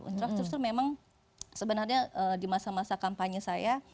infrastruktur memang sebenarnya di masa masa kampanye saya